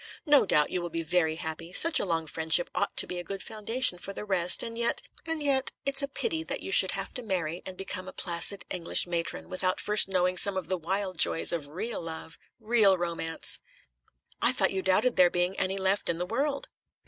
"No doubt you will be very happy. Such a long friendship ought to be a good foundation for the rest, and yet and yet it's a pity that you should have to marry and become a placid British matron without first knowing some of the wild joys of real love, real romance." "I thought you doubted there being any left in the world?"